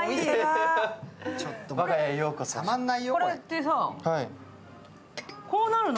これってさこうなるの！？